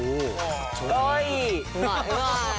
かわいい！